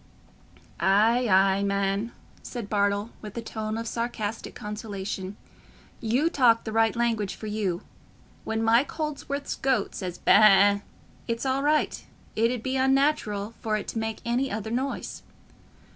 "Ay, ay, man," said Bartle, with a tone of sarcastic consolation, "you talk the right language for you. When Mike Holdsworth's goat says ba a a, it's all right—it 'ud be unnatural for it to make any other noise."